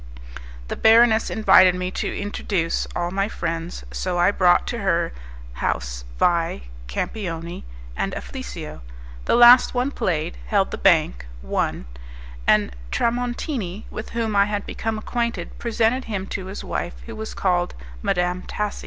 The baroness invited me to introduce, all my friends, so I brought to her house Vais, Campioni, and Afflisio. The last one played, held the bank, won; and Tramontini, with whom I had become acquainted, presented him to his wife, who was called Madame Tasi.